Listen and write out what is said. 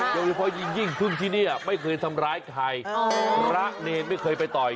โดยเฉพาะยิ่งพึ่งที่นี่ไม่เคยทำร้ายใครพระเนรไม่เคยไปต่อย